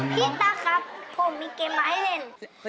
พี่เต๋าครับผมมีเกมมาให้เล่น